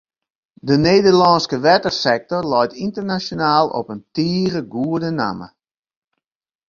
De Nederlânske wettersektor leit ynternasjonaal op in tige goede namme.